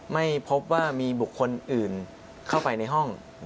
ไม่พบว่ามีบุคคลอื่นเข้าไปในห้อง